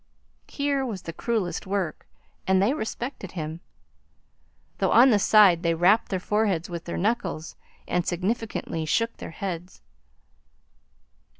Here was the cruellest work, and they respected him, though on the side they rapped their foreheads with their knuckles and significantly shook their heads.